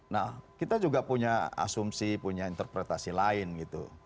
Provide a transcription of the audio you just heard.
nah kita juga punya asumsi punya interpretasi lain gitu